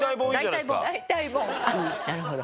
なるほど。